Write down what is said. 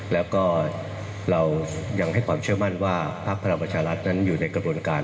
แล้วก็เรายังให้ความเชื่อมั่นว่าพักพลังประชารัฐนั้นอยู่ในกระบวนการ